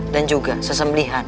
dan juga sesembelihan